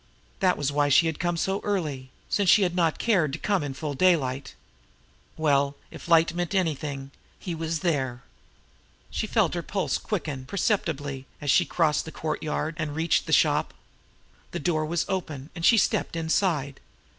That was why she had come so early since she had not cared to come in full daylight. Well, if that light meant anything, he was there. She felt her pulse quicken perceptibly as she crossed the courtyard, and reached the shop. The door was open, and she stepped inside.